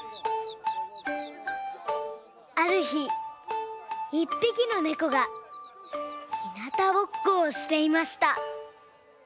あるひ１ぴきのねこがひなたぼっこをしていました。